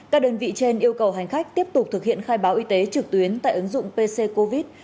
các đơn vị trên yêu cầu hành khách tiếp tục thực hiện khai báo y tế trực tuyến tại ứng dụng pc covid